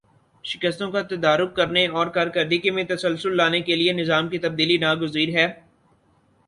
شکستوں کا تدارک کرنے اور کارکردگی میں تسلسل لانے کے لیے نظام کی تبدیلی ناگزیر ہے